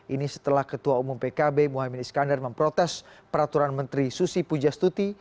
ini setelah ketua umum pkb mohaimin iskandar memprotes peraturan menteri susi pujastuti